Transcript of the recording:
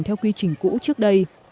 theo quy trình cũ trước đây